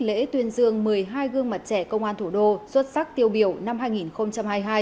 lễ tuyên dương một mươi hai gương mặt trẻ công an thủ đô xuất sắc tiêu biểu năm hai nghìn hai mươi hai